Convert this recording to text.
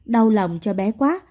đau lòng cho bé quá